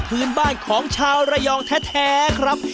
พื้นบ้านของชาวระยองแท้ครับ